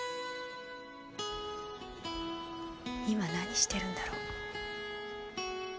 今何してるんだろ？